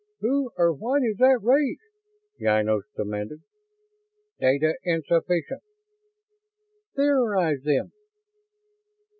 "Who or what is that race?" Ynos demanded. "Data insufficient." "Theorize, then!"